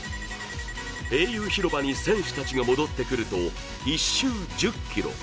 英雄広場に選手たちが戻ってくると１周１０ｋｍ。